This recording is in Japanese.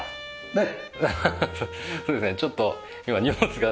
ねっ。